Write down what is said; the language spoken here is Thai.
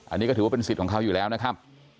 อันนี้ก็ถือว่าเป็นสิทธิ์ของเขาอยู่แล้วนะครับ